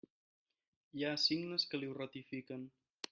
Hi ha signes que li ho ratifiquen.